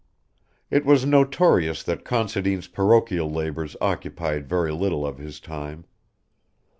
It was notorious that Considine's parochial labours occupied very little of his time.